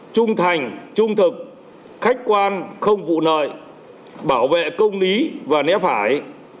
trung thành trung thực khách quan không vụ nợi bảo vệ công lý và nép hải